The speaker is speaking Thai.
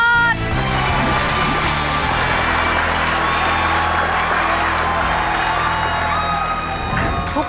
ขอบคุณครับ